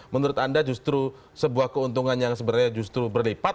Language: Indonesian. menurut anda justru sebuah keuntungan yang sebenarnya justru berlipat